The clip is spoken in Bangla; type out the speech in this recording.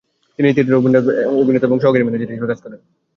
তিনি এই থিয়েটারে অভিনেতা এবং সহকারী ম্যানেজার হিসাবে কাজ করেন।